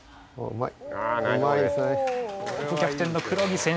うまい。